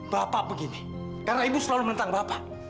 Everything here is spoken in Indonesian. bapak begini karena ibu selalu menentang bapak